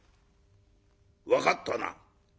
分かったな？